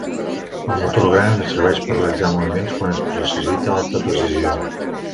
El motor gran ens serveix per realitzar moviments quan es necessita alta precisió.